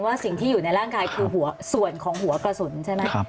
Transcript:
สิ่งที่อยู่ในร่างกายคือหัวส่วนของหัวกระสุนใช่ไหม